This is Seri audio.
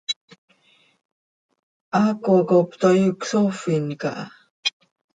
Haaco cop toii cösoofin caha.